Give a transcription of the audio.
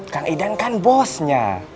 kang idan kan bosnya